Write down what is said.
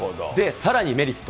さらにメリット。